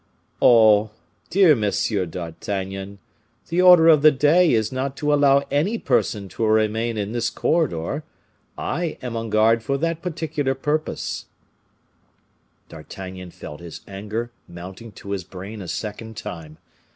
"Oh! dear Monsieur d'Artagnan, the order of the day is not to allow any person to remain in this corridor; I am on guard for that particular purpose." D'Artagnan felt his anger mounting to his brain a second time.